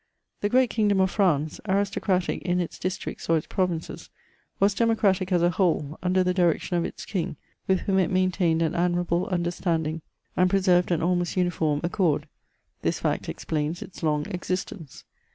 The great kingdom of France, aristocratic in its districts or its provinces, was democratic as a whole, under the direction of its king, with whom it maintained an admirable understanding, and preserved an almost uniform accord. This fact explains its long existence.